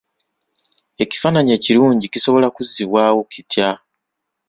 Ekifaananyi ekirungi kisobola kuzzibwawo kitya?